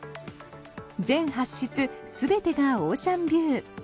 全８室全てがオーシャンビュー。